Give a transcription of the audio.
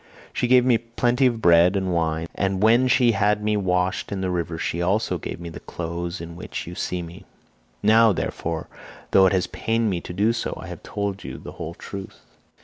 She gave me plenty of bread and wine, and when she had had me washed in the river she also gave me the clothes in which you see me. Now, therefore, though it has pained me to do so, I have told you the whole truth."